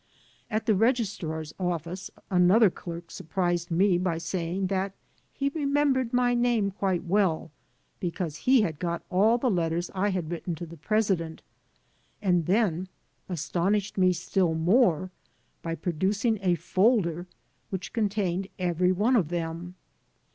At the registrar's o£Sce another derk surprised me by saying that he remembered my name quite well, because he had got all the letters I had written to the president, and then a^nished me stiU more by producing a folder which contained every one of them.